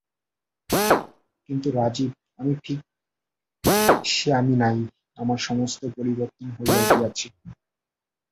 কিন্তু রাজীব, আমি ঠিক সে আমি নাই, আমার সমস্ত পরিবর্তন হইয়া গিয়াছে।